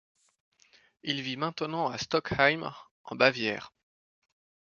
Il vit maintenant à Stockheim, en Bavière.